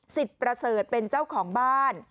ประเสริฐเป็นเจ้าของบ้าน